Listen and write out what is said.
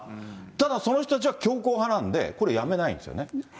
ただ、その人たちが強硬派なんでこれ、やめないんですよね。